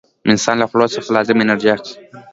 انسان له خوړو څخه لازمه انرژي اخلي.